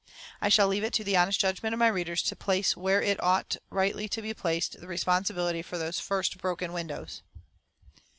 I shall leave it to the honest judgment of my readers to place where it ought rightly to be placed the responsibility for those first broken windows.